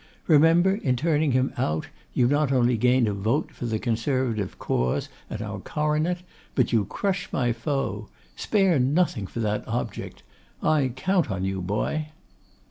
Remember, in turning him out you not only gain a vote for the Conservative cause and our coronet, but you crush my foe. Spare nothing for that object; I count on you, boy.